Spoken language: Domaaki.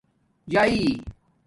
جائئ